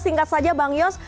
singkat saja bang yos